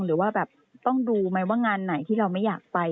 หรือว่าแบบต้องดูไหมว่างานไหนที่เราไม่อยากไป